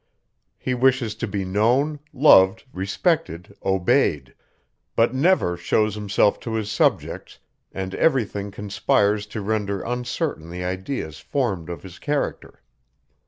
He wishes to be known, loved, respected, obeyed; but never shows himself to his subjects, and everything conspires to render uncertain the ideas formed of his character.